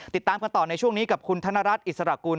ติดตามกันต่อในช่วงนี้กับคุณธนรัฐอิสระกุล